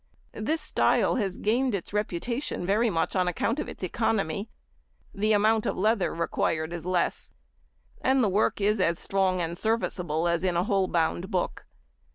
This style has gained its reputation very much on account of its economy; the amount of leather required is less, and the work is as strong and serviceable as in a whole bound book.